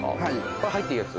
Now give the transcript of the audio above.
これ入っていいやつ？